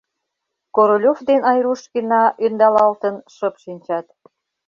Королёв ден Айрушкина, ӧндалалтын, шып шинчат.